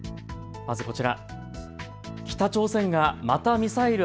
まず、こちら。